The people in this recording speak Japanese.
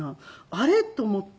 あれ？と思って。